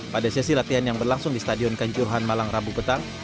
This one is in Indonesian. pada sesi latihan yang berlangsung di stadion kanjuruhan malang rabu petang